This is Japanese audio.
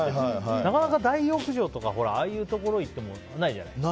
なかなか大浴場とかああいうところ行ってもないじゃない。